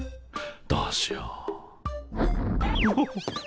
どうしよう。